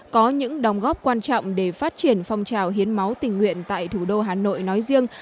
có những đóng góp quan trọng để phát triển phong trào hiến máu tình nguyện tại thủ đô hà nội nói riêng